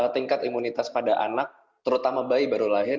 tingkat imunitas pada anak terutama bayi baru lahir